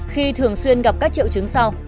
khi thường xuyên gặp các triệu chứng sau